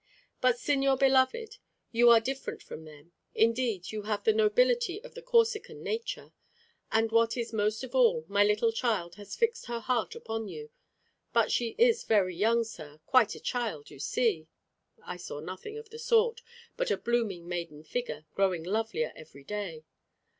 "But, Signor beloved, you are different from them; indeed you have the nobility of the Corsican nature. And what is most of all, my little child has fixed her heart upon you. But she is very young, sir, quite a child you see." I saw nothing of the sort, but a blooming maiden figure, growing lovelier every day.